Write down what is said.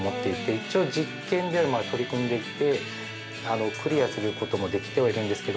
一応実験では取り組んでいてクリアすることもできてはいるんですけど。